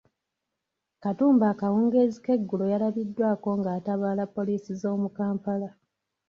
Katumba akawungeezi k'eggulo yalabiddwako ng'atabaala poliisi z'omu Kampala.